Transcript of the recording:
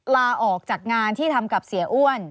ลาออกจากงานที่ทำกับเสียอ้วน